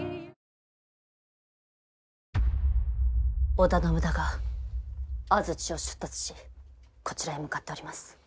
織田信長安土を出立しこちらへ向かっております。